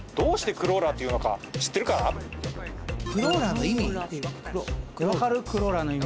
クローラーの意味。